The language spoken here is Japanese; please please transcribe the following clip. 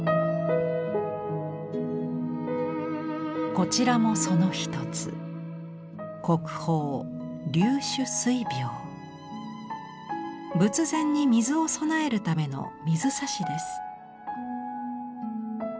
こちらもその一つ仏前に水を供えるための水差しです。